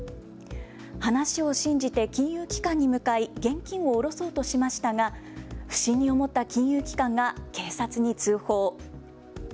話を信じて金融機関に向かい現金を下ろそうとしましたが不審に思った金融機関が警察に通報。